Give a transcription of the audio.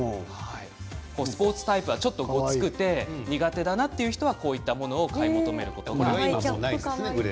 スポーツタイプはちょっとごつくて苦手だなという人はこういったものを買い求めることが多いということです。